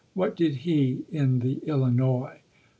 What did he in the Illinois?